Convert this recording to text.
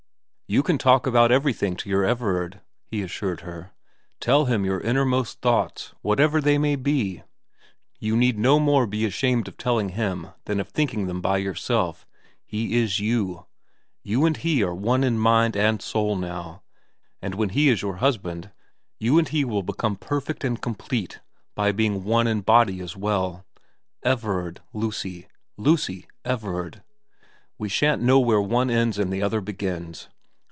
' You can talk about everything to your Everard,' he assured her. * Tell him your innermost thoughts, whatever they may be. You need no more be ashamed of telling him than of thinking them by yourself. He is you. You and he are one in mind and soul now, and when he is your husband you and he will become perfect and complete by being one in body as well. Everard Lucy. Lucy Everard. We shan't know where one ends and the other begins.